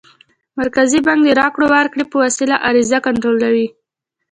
مرکزي بانک د راکړو ورکړو په وسیله عرضه کنټرولوي.